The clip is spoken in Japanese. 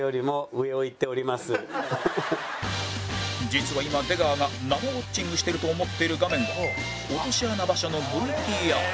実は今出川が生ウォッチングしてると思っている画面は落とし穴場所の ＶＴＲ